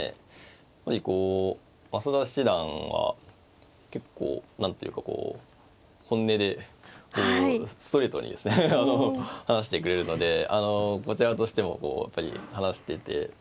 やっぱりこう増田七段は結構何ていうかこう本音でストレートにですね話してくれるのでこちらとしてもこうやっぱり話してて楽しいですね。